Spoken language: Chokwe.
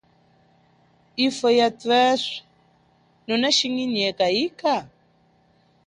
Ifwo ya tweswe, nunashinginyeka ika?